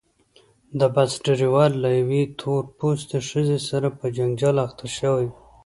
د بس ډریور له یوې تور پوستې ښځې سره په جنجال اخته شوی.